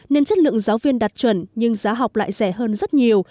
nên chất lượng giáo viên đạt chuẩn nhưng giá học lại rẻ hơn rất nhiều